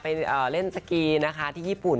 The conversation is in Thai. ไปเล่นสกีนะคะที่ญี่ปุ่น